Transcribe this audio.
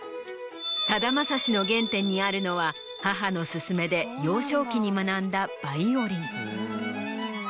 さだまさしの原点にあるのは母の勧めで幼少期に学んだバイオリン。